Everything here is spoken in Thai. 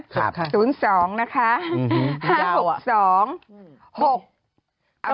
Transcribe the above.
ครับค่ะสูญสองนะคะห้าหกสองหกเอาใหม่